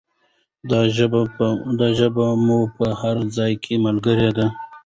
دا ژبه مو په هر ځای کې ملګرې ده.